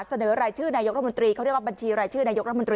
เสนอรายชื่อนายกรัฐมนตรีเขาเรียกว่าบัญชีรายชื่อนายกรัฐมนตรี